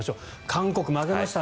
韓国負けました。